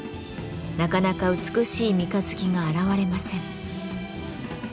なかなか美しい三日月が現れません。